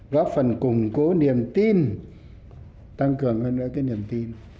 góp phần củng cố niềm tin tăng cường hơn nữa cái niềm tin